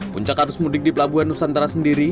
puncak arus mudik di pelabuhan nusantara sendiri